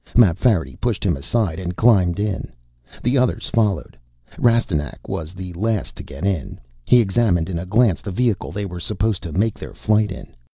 Mapfarity pushed him aside and climbed in. The others followed. Rastignac was the last to get in. He examined in a glance the vehicle they were supposed to make their flight in.